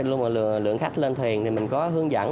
lúc mà lượng khách lên thuyền thì mình có hướng dẫn